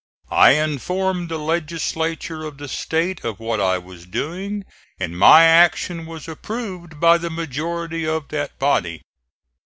I informed the legislature of the State of what I was doing, and my action was approved by the majority of that body.